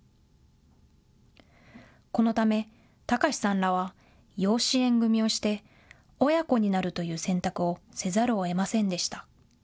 このため、隆史さんらは養子縁組みをして親子になるという選択をせざるをえませんでした。